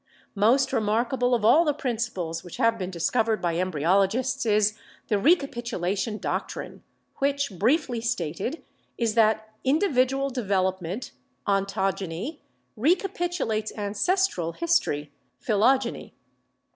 Most remarkable of all the principles which have been (discovered by embryologists is the 'Recapitulation Doc trine/ which, briefly stated, is that individual development (ontogeny) recapitulates ancestral history (phylogeny).